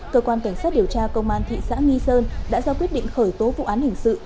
cơ quan cảnh sát điều tra công an thị xã nghi sơn đã ra quyết định khởi tố vụ án hình sự